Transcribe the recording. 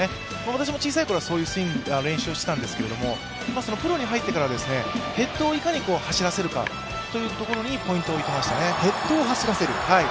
私も小さいころはそういう練習をしていたんですけど、プロに入ってからはヘッドをいかに走らせるかというところにポイントを置いていましたね。